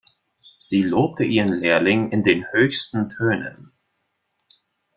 Sie lobte ihren Lehrling in den höchsten Tönen.